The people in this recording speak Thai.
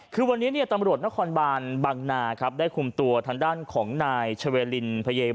คือวันนี้เนี่ยตำรวจนครบานบางนาครับได้คุมตัวทางด้านของนายชเวลินพยม